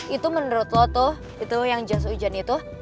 itu menurut lo tuh itu yang jas ujannya itu